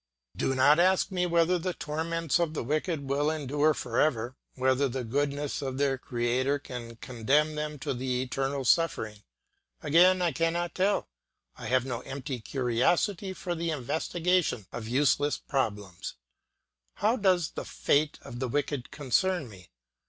Do not ask me whether the torments of the wicked will endure for ever, whether the goodness of their creator can condemn them to the eternal suffering; again, I cannot tell, and I have no empty curiosity for the investigation of useless problems. How does the fate of the wicked concern me?